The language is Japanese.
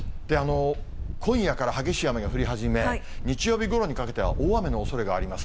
今夜から激しい雨が降り始め、日曜日ごろにかけては大雨のおそれがあります。